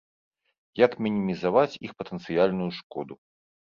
Як мінімізаваць іх патэнцыяльную шкоду.